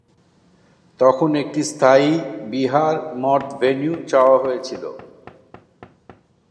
তখন একটি স্থায়ী বিহার/মঠ ভেন্যু চাওয়া হয়েছিল।